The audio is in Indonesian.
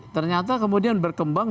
ternyata kemudian berkembang